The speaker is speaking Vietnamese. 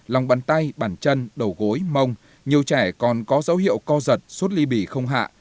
lòng bàn tay bàn chân đầu gối mông nhiều trẻ còn có dấu hiệu co giật suốt ly bì không hạ